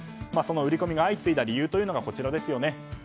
その売り込みが相次いだ理由がこちらですよね。